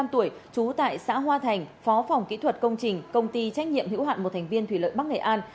trú tại xã hoa thành phó phòng kỹ thuật công trình công ty trách nhiệm hữu hạn một thành viên thủy lợi bắc nghệ an